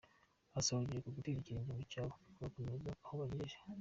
Asaba urubyiruko gutera ikirenge mu cyabo bagakomereza aho bagejeje.